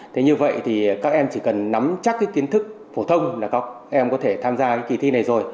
thế như vậy thì các em chỉ cần nắm chắc cái kiến thức phổ thông là các em có thể tham gia